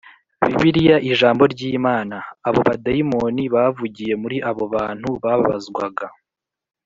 ” bibiliya ijambo ry’imana] abo badayimoni bavugiye muri abo bantu bababazwaga